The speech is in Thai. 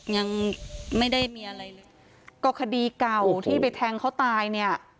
ยังไม่ได้มีอะไรเลยก็คดีเก่าที่ไปแทงเขาตายเนี่ย